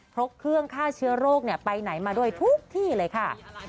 พกเครื่องฆ่าเชื้อโรคไปไหนมาด้วยทุกที่เลยค่ะ